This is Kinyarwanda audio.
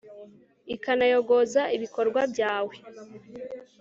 ikanayogoza ibikorwa byawe